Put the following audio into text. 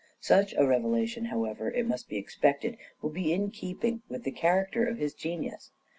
Such a revelation, however, it must be expected, will be in keeping with the character of his genius.